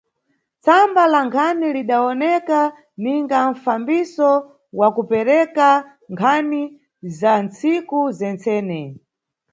Tsamba la nkhani lidawoneka ninga mfambiso wa kupereka nkhani za nntsiku zentsene.